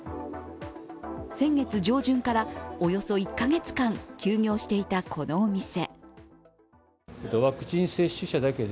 先月上旬からおよそ１カ月間休業していたこのお店。